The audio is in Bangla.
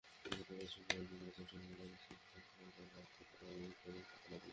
গতকাল শুক্রবার বিকেলে চট্টগ্রাম আদালত প্রাঙ্গণ থেকে তাঁকে আটক করে কোতোয়ালি থানা-পুলিশ।